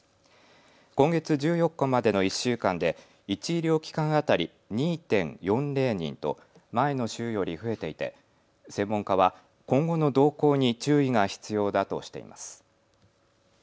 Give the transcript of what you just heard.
今月１４日までの１週間で１医療機関当たり２．４０人と前の週より増えていて専門家は今後の動向に注意が必要だとしています。